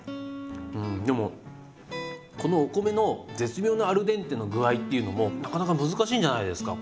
うんでもこのお米の絶妙なアルデンテの具合っていうのもなかなか難しいんじゃないんですか？